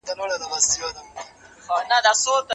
دا کم دئ.